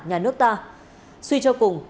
nhà nước ta suy cho cùng